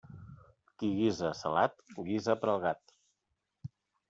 Qui guisa salat, guisa per al gat.